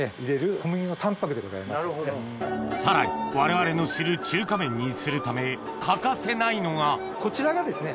さらに我々の知る中華麺にするため欠かせないのがこちらがですね